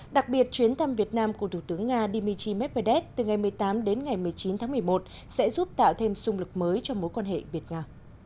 đặc biệt chuyến thăm việt nam của thủ tướng nga dmitry medvedev từ ngày một mươi tám đến ngày một mươi chín tháng một mươi một sẽ giúp tạo thêm sung lực mới cho mối quan hệ việt nga